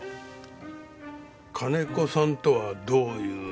金子さんとはどういう？